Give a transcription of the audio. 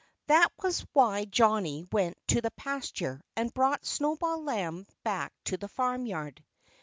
That was why Johnnie went to the pasture and brought Snowball Lamb back to the farmyard.